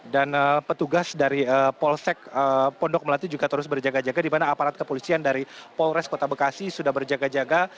dan petugas dari polsek pondok melati juga terus berjaga jaga di mana aparat kepolisian dari polres kota bekasi sudah berjaga jaga